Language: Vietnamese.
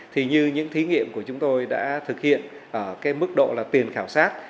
thì như những thí nghiệm của chúng tôi đã thực hiện ở cái mức độ là tiền khảo sát